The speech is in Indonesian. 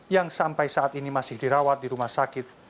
yang sampai saat ini masih dirawat di rumah sakit